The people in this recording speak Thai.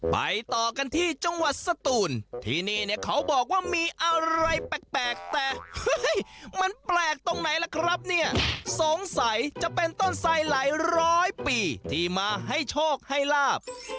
ไปต่อกันที่จังหวัดสตูนที่นี่เนี่ยเขาบอกว่ามีอะไรแปลกแต่เฮ้ยมันแปลกตรงไหนล่ะครับเนี่ยสงสัยจะเป็นต้นไส้หลายร้อยปีที่มาให้โชคให้ลาบ